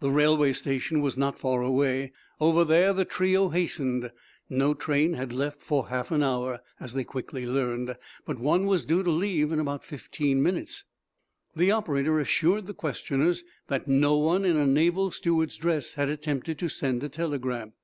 The railway station was not far away. Over there the trio hastened. No train had left for half an hour, as they quickly learned, but one was due to leave in about fifteen minutes. The operator assured the questioners that no one in a naval steward's dress had attempted to send a telegram.